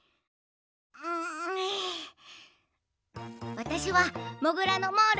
わたしはモグラのモール。